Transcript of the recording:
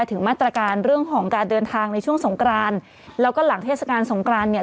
ถึงมาตรการเรื่องของการเดินทางในช่วงสงกรานแล้วก็หลังเทศกาลสงกรานเนี่ย